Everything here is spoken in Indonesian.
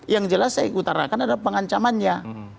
yang jelas saya ikutin kan ada pengancamannya